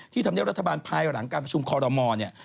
ที่ทำเรียกว่ารัฐบาลภายหลังการประชุมคอลโรมอลเนี่ย